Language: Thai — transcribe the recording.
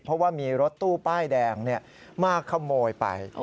เพราะว่ามีรถตู้ป้ายแดงมาขโมยไป